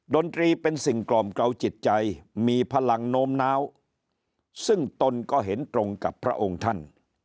ดนตรีเป็นสิ่งกล่อมเกลาจิตใจมีพลังโน้มน้าวซึ่งตนก็เห็นตรงกับพระองค์ท่าน